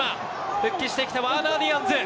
復帰してきたワーナー・ディアンズ。